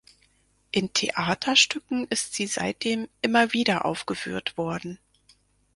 In Theaterstücken ist sie seitdem immer wieder aufgeführt worden.